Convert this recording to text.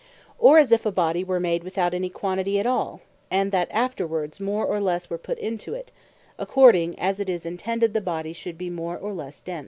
Or as if a Body were made without any Quantity at all, and that afterwards more, or lesse were put into it, according as it is intended the Body should be more, or lesse Dense.